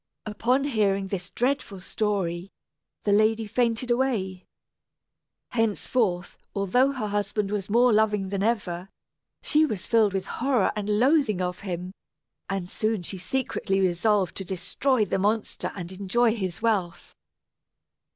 Upon hearing this dreadful story, the lady fainted away. Henceforth, although her husband was more loving than ever, she was filled with horror and loathing of him; and soon she secretly resolved to destroy the monster and enjoy his wealth.